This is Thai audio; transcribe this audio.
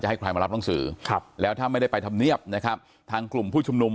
ให้ใครมารับหนังสือครับแล้วถ้าไม่ได้ไปทำเนียบนะครับทางกลุ่มผู้ชุมนุม